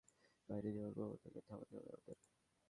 ভেতরে অবস্থানকারী লোকেদের বাইরে যাওয়ার প্রবণতাকে থামাতে হবে আমাদের!